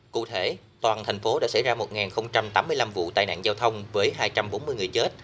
cụ thể toàn thành phố đã xảy ra một tám mươi năm vụ tai nạn giao thông với hai trăm bốn mươi người chết